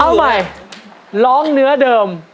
เอาใหม่ร้องเนื้อเดิม